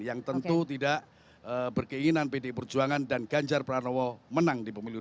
yang tentu tidak berkeinginan pdi perjuangan dan ganjar pranowo menang di pemilu dua ribu sembilan